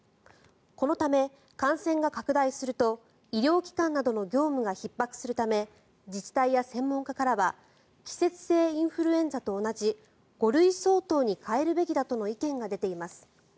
このため感染が拡大すると医療機関などの業務がひっ迫するため自治体や専門家からは季節性インフルエンザと同じ５類相当に変えるべきだとの意見が出ています。